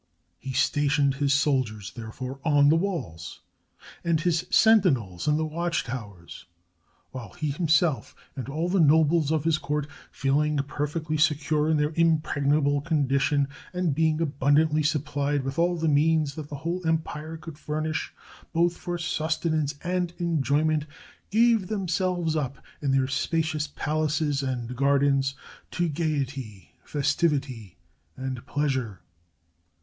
He stationed his soldiers, therefore, on the walls, and his sentinels in the watch towers, while he himself, and all the nobles of his court, feeling perfectly secure in their impregnable condition, and being abun dantly supplied with all the means that the whole em pire could furnish, both for sustenance and enjoyment, gave themselves up, in their spacious palaces and gar dens, to gayety, festivity, and pleasure.